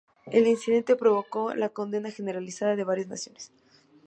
El incidente provocó la condena generalizada de varias naciones.